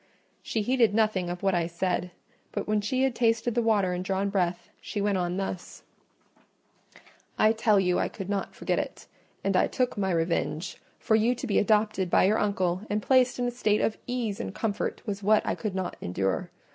She heeded nothing of what I said; but when she had tasted the water and drawn breath, she went on thus— "I tell you I could not forget it; and I took my revenge: for you to be adopted by your uncle, and placed in a state of ease and comfort, was what I could not endure.